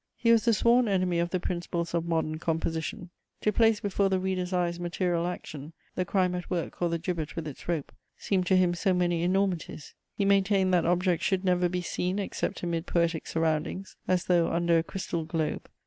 He was the sworn enemy of the principles of modern composition: to place before the reader's eyes material action, the crime at work or the gibbet with its rope, seemed to him so many enormities; he maintained that objects should never be seen except amid poetic surroundings, as though under a crystal globe.